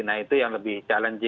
nah itu yang lebih challenging sih